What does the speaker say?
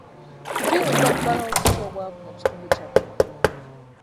Tuyinza kumalawo tutya obwavu mu kitundu kyaffe.